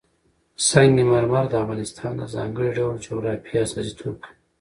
سنگ مرمر د افغانستان د ځانګړي ډول جغرافیه استازیتوب کوي.